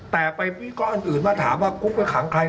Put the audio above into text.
แต่ไปวิการอื่นมาถามว่าคุกไว้ขังใคร